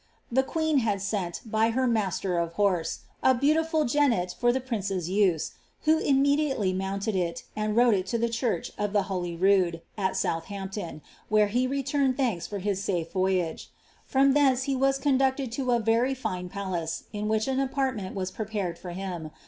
The qneen had sent, by her master of har#e, a beautiful genet for the princess use. who immediately mounleil it, and rtxle to ihe church of llie Holy Rood, al Soiilhampton, where he returned tlutrika for his safe Toyage. Fiom thence he was eoadueurd to a very fin* pularc, ill which an apartment was prepared for him.